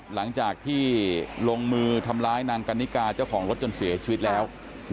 หลังจากที่ลงมือทำร้ายนางกันนิกาเจ้าของรถจนเสียชีวิตแล้ว